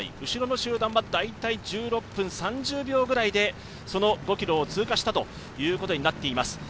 後ろの集団は大体１６分３０秒ぐらいでその５ｋｍを通過したということになっています。